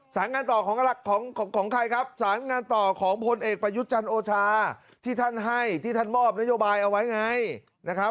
สารงานต่อของของใครครับสารงานต่อของพลเอกประยุทธ์จันทร์โอชาที่ท่านให้ที่ท่านมอบนโยบายเอาไว้ไงนะครับ